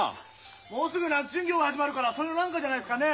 もうすぐ夏巡業が始まるからそれの何かじゃないですかね？